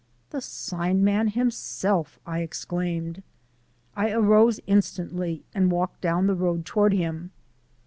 "The sign man himself!" I exclaimed. I arose instantly and walked down the road toward him.